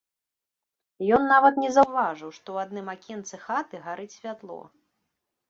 Ён нават не заўважыў, што ў адным акенцы хаты гарыць святло.